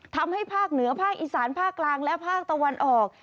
ภาคเหนือภาคอีสานภาคกลางและภาคตะวันออก